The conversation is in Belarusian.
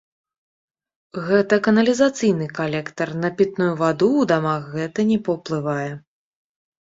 Гэта каналізацыйны калектар, на пітную ваду ў дамах гэта не паўплывае.